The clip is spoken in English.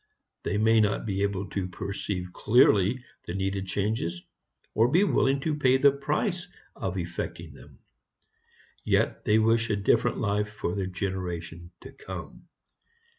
They may not be able to perceive clearly the needed changes, or be willing to pay the price of effecting them. Yet they wish a different life for the generation to come.